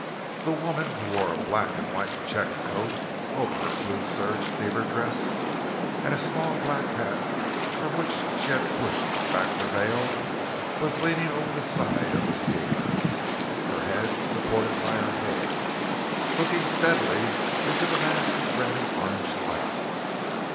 The woman, who wore a black and white check coat over her blue serge steamer dress, and a small black hat from which she had pushed back the veil, was leaning over the side of the steamer, her head supported by her hand, looking steadily into the mass of red and orange clouds.